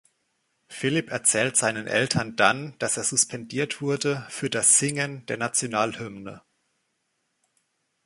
Philip erzählt seinen Eltern dann, dass er suspendiert wurde, für das „Singen“ der Nationalhymne.